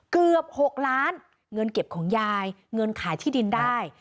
เกือบ๖ล้านเงินเก็บของยายเงินขายที่ดินได้